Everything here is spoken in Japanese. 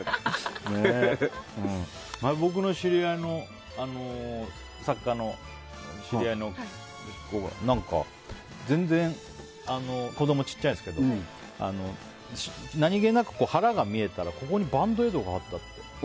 僕の知り合いの作家の子が全然、子供小さいんですけど何気なく腹が見えたらここにバンドエイドが貼ってあって。